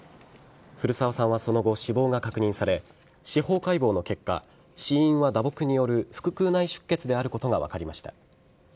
古澤さんはその後死亡が確認され司法解剖の結果死因は打撲による腹腔内出血であることが分かりました。